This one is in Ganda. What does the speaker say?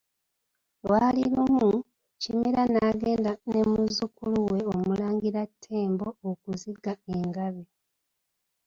Lwali lumu, Kimera n'agenda ne muzzukulu we Omulangira Ttembo okuziga engabi.